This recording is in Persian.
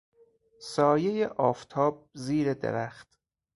سایه آفتاب زیر درخت